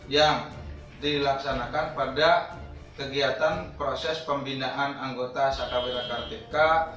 yang dilaksanakan pada kegiatan proses pembinaan anggota saka wira kartika